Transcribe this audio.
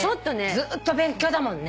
ずっと別居だもんね。